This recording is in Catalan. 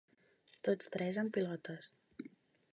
Tots tres en pilotes.